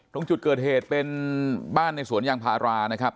ตรงจุดเกิดเหตุเป็นบ้านในสวนยางพารานะครับ